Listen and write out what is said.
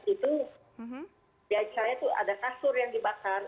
itu biasa itu ada kasur yang dibakar